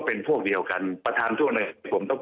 เป็นพวกเดียวกันประธานทั่วเลยผมต้อง